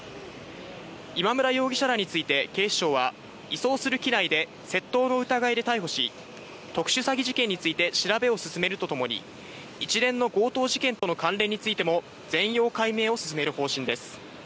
今村容疑者らについて警視庁は移送する機内で窃盗の疑いで逮捕し、特殊詐欺事件について調べを進めるとともに、一連の強盗事件との関連についても全容解明を進める方針です。